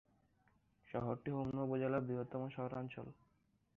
শহরটি হোমনা উপজেলার বৃহত্তম শহরাঞ্চল।